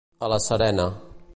A la serena.